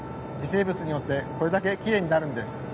微生物によってこれだけきれいになるんです。